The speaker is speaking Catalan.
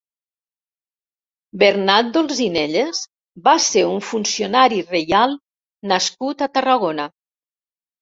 Bernat d'Olzinelles va ser un funcionari reial nascut a Tarragona.